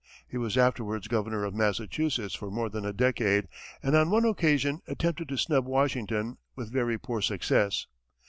He was afterwards governor of Massachusetts for more than a decade, and on one occasion attempted to snub Washington, with very poor success.